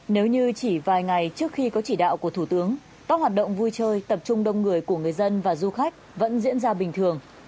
nếu như chỉ vài ngày trước khi có chỉ đạo của thủ tướng các hoạt động vui chơi tập trung đông người của người dân và du khách vẫn diễn ra bình thường